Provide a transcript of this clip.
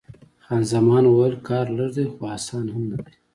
خان زمان وویل: کار لږ دی، خو اسان هم نه دی.